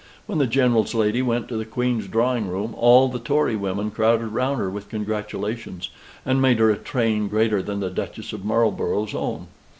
When the General's lady went to the Queen's drawing room, all the Tory women crowded round her with congratulations, and made her a train greater than the Duchess of Marlborough's own.